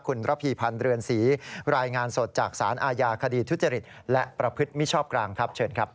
คุณระพีพันธ์เรือนศรีรายงานสดจากสารอาญาคดีทุจริตและประพฤติมิชชอบกลางครับเชิญครับ